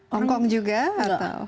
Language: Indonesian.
hong kong juga atau